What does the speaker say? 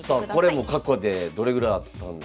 これも過去でどれぐらいあったんですか？